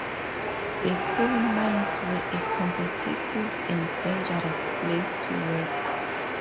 The coal mines were a competitive and dangerous place to work.